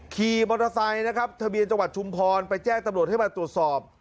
ขี่มอเตอร์ไซค์นะครับทะเบียนจังหวัดชุมพรไปแจ้งตำรวจให้มาตรวจสอบ